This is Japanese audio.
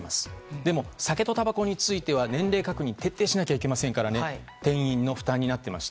でも、酒とたばこについては年齢確認を徹底しなければいけませんから店員の負担になっていました。